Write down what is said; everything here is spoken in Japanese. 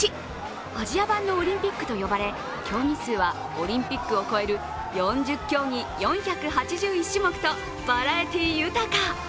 アジア版のオリンピックと呼ばれ競技数は、オリンピックを超える４０競技４８１種目とバラエティー豊か。